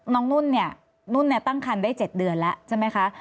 น้องนุ่นตั้งครรภ์ได้๗เดือนแล้วใช่ไหมคะ